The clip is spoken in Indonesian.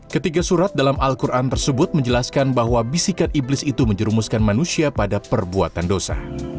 ketiga surat dalam al quran tersebut menjelaskan bahwa bisikan iblis itu menjerumuskan manusia pada perbuatan dosa